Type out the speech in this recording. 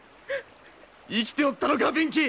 生きておったのか弁慶。